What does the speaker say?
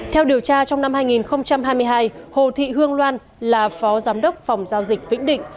theo điều tra trong năm hai nghìn hai mươi hai hồ thị hương loan là phó giám đốc phòng giao dịch vĩnh định